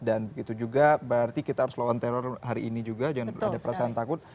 dan begitu juga berarti kita harus lawan teror hari ini juga jangan ada perasaan takut